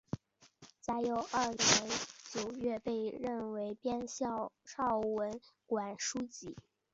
嘉佑二年九月被任为编校昭文馆书籍。